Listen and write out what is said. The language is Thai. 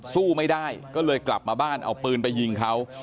สู้ไม่ได้ก็เลยกลับมาบ้านเอาปืนไปยิงเขา